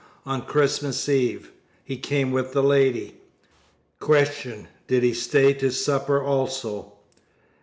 On Christmas Eve. He came with the lady. Q. Did he stay to supper also?